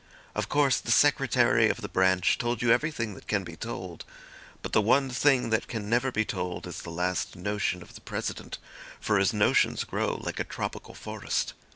"Of course, the Secretary of the branch told you everything that can be told. But the one thing that can never be told is the last notion of the President, for his notions grow like a tropical forest.